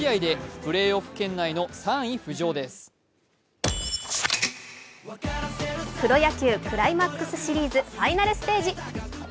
プロ野球クライマックスシリーズファイナルステージ。